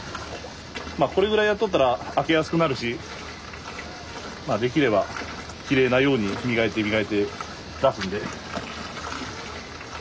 まあこれぐらいやっとったら開けやすくなるしまあできればきれいなように磨いて磨いて出すんで。